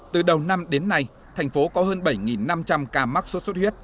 từ đầu năm đến nay thành phố có hơn bảy năm trăm linh ca mắc sốt xuất huyết